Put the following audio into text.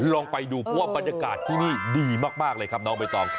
ลองไปดูเพราะว่าบรรยากาศที่นี่ดีมากเลยครับน้องใบตอง